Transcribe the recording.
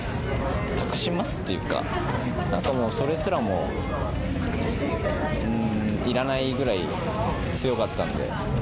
託しますっていうか、なんかもう、それすらもいらないくらい強かったんで。